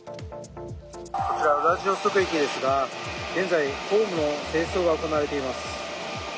こちらウラジオストク駅ですが現在ホームの清掃が行われています。